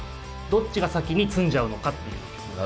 どっちが先に詰んじゃうのかっていう局面ですね。